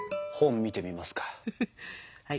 本見てみますか？